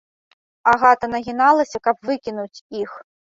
Агата нагіналася, каб выкінуць іх.